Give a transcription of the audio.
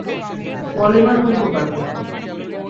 Polymer দুই প্রকার।